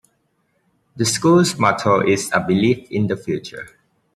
The school's motto is A Belief in the Future.